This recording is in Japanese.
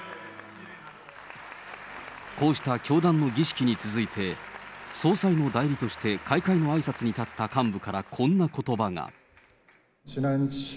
こうした教団の儀式に続いて、総裁の代理として開会のあいさつに立った幹部から、こんなことばが。